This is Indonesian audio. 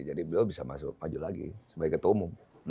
jadi beliau bisa maju lagi sebagai ketua umum